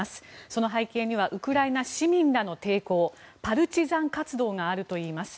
その背景にはウクライナ市民らの抵抗パルチザン活動があるといいます。